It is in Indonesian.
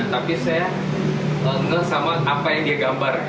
tapi saya ngeh sama apa yang dia gambar